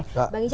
oke bang ija